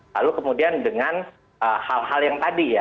lalu kemudian dengan hal hal yang tadi ya